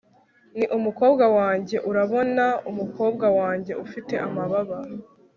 ni umukobwa wanjye urabona umukobwa wanjye ufite amababa